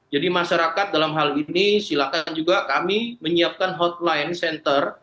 jadi masyarakat dalam hal ini silakan juga kami menyiapkan hotline center